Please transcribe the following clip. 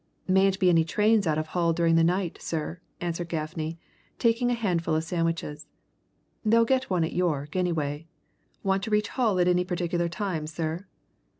"Mayn't be any trains out of Hull during the night, sir," answered Gaffney, taking a handful of sandwiches. "They'll get one at York, anyway. Want to reach Hull at any particular time, sir?"